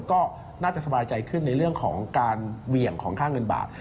ก็น่าจะสบายใจขึ้นในเรื่องของการเหวี่ยงของค่าเงินบาท